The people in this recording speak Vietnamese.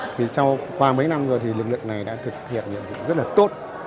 thì sau khoảng mấy năm rồi thì lực lượng này đã thực hiện những việc rất là tốt